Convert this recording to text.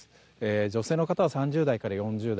女性の方は３０代から４０代。